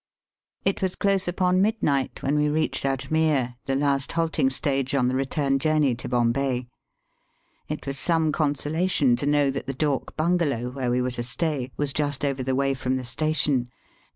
It was close npon midnight when we reached Ajmere, the last halting stage on the return journey to Bombay. It was some consolation to know that the dak bungalow, where we were to stay, was just over the way from the station.